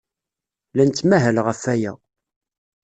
La nettmahal ɣef waya.